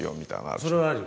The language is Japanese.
それはある。